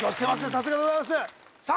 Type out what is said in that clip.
さすがでございますさあ